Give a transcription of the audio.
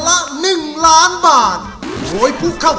และเงินที่สะสมมาจะตกเป็นของผู้ที่ร้องถูก